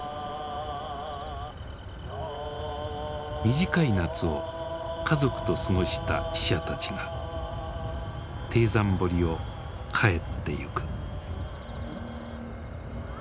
短い夏を家族と過ごした死者たちが貞山堀を帰っていく。